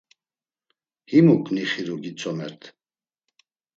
Himuk nixiru, gitzomert.